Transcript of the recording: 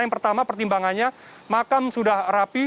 yang pertama pertimbangannya makam sudah rapi